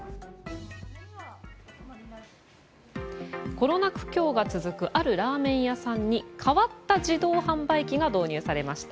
コロナ苦境が続くあるラーメン屋さんに変わった自動販売機が導入されました。